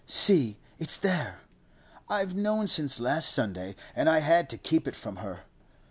'See, it's there. I've known since last Sunday, and I had to keep it from her.